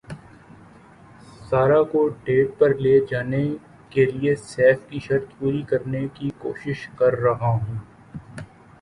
سارہ کو ڈیٹ پر لے جانے کیلئے سیف کی شرط پوری کرنے کی کوشش کررہا ہوں